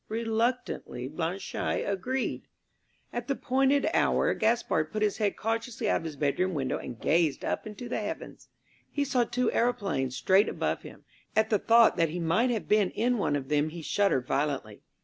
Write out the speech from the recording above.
Reluctantly Blanchaille agreed. At the appointed hour Gaspard put his head cautiously out of his bedroom window and gazed up into the heavens. He saw two aeroplanes straight above him. At the thought that he might have been in one of them he shuddered violently.